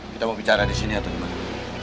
kita mau bicara disini atau dimana